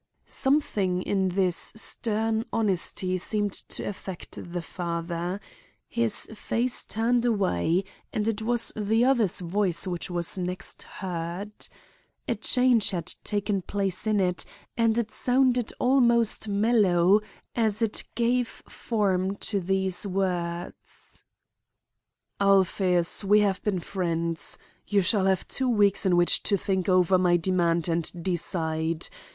"Something in this stern honesty seemed to affect the father. His face turned away and it was the other's voice which was next heard. A change had taken place in it and it sounded almost mellow as it gave form to these words: "'Alpheus, we have been friends. You shall have two weeks in which to think over my demand and decide.